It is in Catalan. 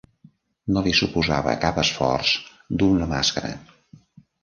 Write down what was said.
No li suposava cap esforç dur una màscara.